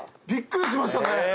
びっくりしましたね。